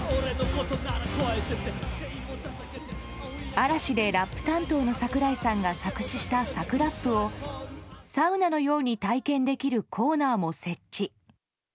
嵐でラップ担当の櫻井さんが作詞したサクラップをサウナのように体験できるコーナーも設置。